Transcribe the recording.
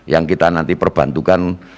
yang kita nanti perbantukan